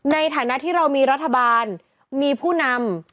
ในฐานะที่เรามีรัฐบาลมีผู้นำ